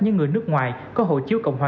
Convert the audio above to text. những người nước ngoài có hộ chiếu cộng hòa